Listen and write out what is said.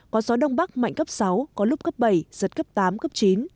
có gió đông bắc mạnh cấp sáu có lúc cấp bảy giật cấp tám cấp chín